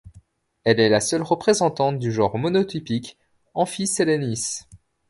Elle est la seule représentante du genre monotypique Amphiselenis.